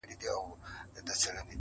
رقیبي سترګي وینمه په کور کي د مُغان-